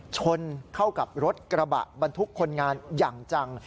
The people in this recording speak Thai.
ชนเข้ากับรถกระบะบรรทุกคนงานอย่างจัง